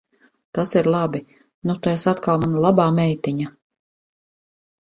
Tas ir labi. Nu tu esi atkal mana labā meitiņa.